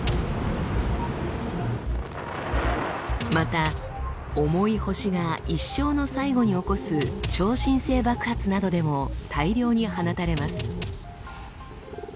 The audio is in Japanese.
また重い星が一生の最後に起こす「超新星爆発」などでも大量に放たれます。